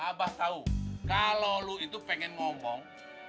abah tahu kalau lu itu pengen ngomong